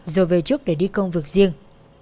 rồi về trước để đi công việc riêng